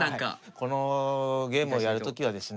このゲームをやる時はですね